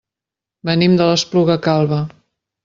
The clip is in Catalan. Venim de l'Espluga Calba.